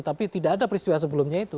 tapi tidak ada peristiwa sebelumnya itu